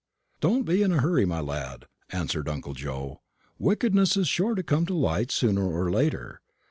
"Don't be in a hurry, my lad," answered uncle Joe; "wickedness is sure to come to light sooner or later.